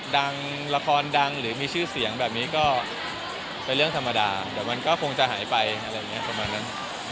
ละครดังหรือมีชื่อเสียงแบบนี้ก็เป็นเรื่องธรรมดาแต่มันก็คงจะหายไปอะไรอย่างนี้ประมาณนั้น